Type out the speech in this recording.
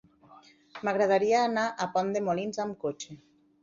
M'agradaria anar a Pont de Molins amb cotxe.